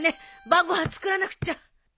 晩ご飯作らなくっちゃ。